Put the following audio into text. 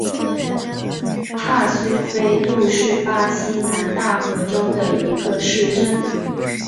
帕苏丰杜是巴西南大河州的一个市镇。